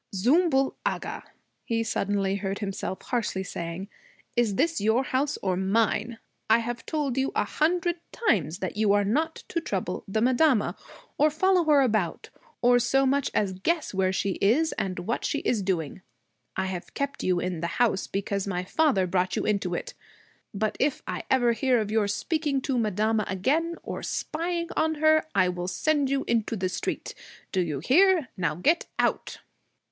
'Zümbül Agha,' he suddenly heard himself harshly saying, 'is this your house or mine? I have told you a hundred times that you are not to trouble the madama, or follow her about, or so much as guess where she is and what she is doing. I have kept you in the house because my father brought you into it; but if I ever hear of your speaking to madama again, or spying on her, I will send you into the street. Do you hear? Now get out!'